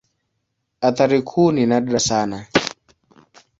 Athari kuu ni nadra sana.